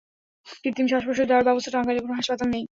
কৃত্রিম শ্বাসপ্রশ্বাস দেওয়ার ব্যবস্থা টাঙ্গাইলের কোনো হাসপাতালে নেই।